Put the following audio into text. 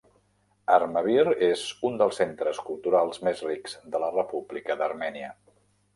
Armavir és un dels centres culturals més rics de la República d'Armènia.